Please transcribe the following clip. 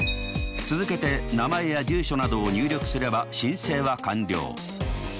続けて名前や住所などを入力すれば申請は完了。